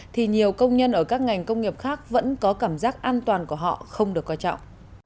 thì nhiều công nhân ở các ngành công nghiệp khác vẫn có cảm giác an toàn của họ không được coi trọng